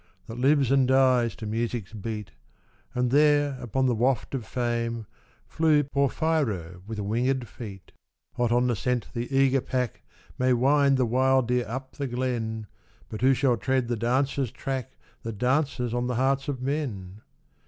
That lives and dies to music's beat; And there upon the waft of fame Flew Porphyro with winged feet. Hot on the scent the eager pack May wind the wild deer up the glen. But who shall tread the dancer's track That dances on the hearts of men